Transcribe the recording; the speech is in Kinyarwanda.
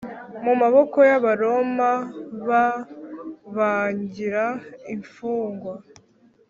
mu maboko y Abaroma b bangira imfungwa